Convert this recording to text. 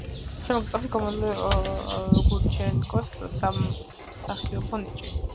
შემდეგ წლებში გამოვლინდა გურჩენკოს სამსახიობო ნიჭი.